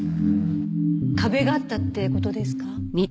壁があったって事ですか？